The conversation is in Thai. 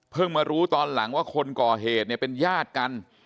เพิ่งมารู้ตอนหลังว่าคนกอเอดเนี่ยเป็นญาติกัน